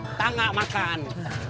kita gak makan